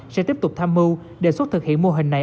sẽ tiếp tục tham mưu đề xuất thực hiện mô hình này